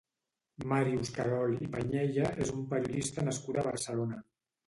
Màrius Carol i Pañella és un periodista nascut a Barcelona.